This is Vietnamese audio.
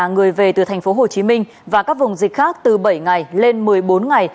người về từ tp hồ chí minh và các vùng dịch khác từ bảy ngày lên một mươi bốn ngày